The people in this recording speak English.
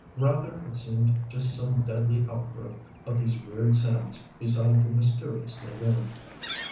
Rather it seemed just some deadly outgrowth of these weird sands beside the mysterious lagoon.